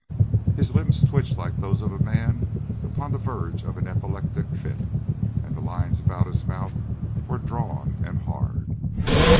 His limbs twitched like those of a man upon the verge of an epileptic fit, and the lines about his mouth were drawn and hard.